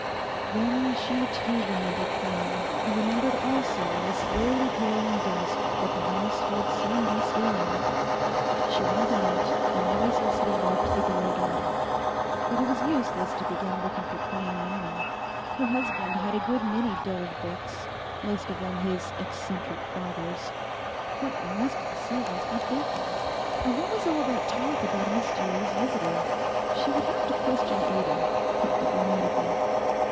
Then she too remembered Quain, and remembered also in the slowly paling dusk that the house would soon be stirring. She went out and noiselessly locked the door again. But it was useless to begin looking for Quain now—her husband had a good many dull books, most of them his 'eccentric' father's. What must the servants be thinking? and what was all that talk about a mysterious visitor? She would have to question Ada—diplomatically.